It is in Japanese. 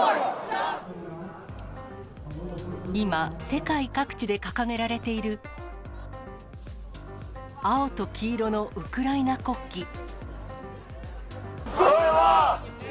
今、世界各地で掲げられている、青と黄色のウクライナ国旗。